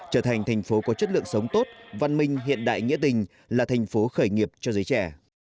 trở thành thành phố có chất lượng sống tốt văn minh hiện đại nghĩa tình là thành phố khởi nghiệp cho giới trẻ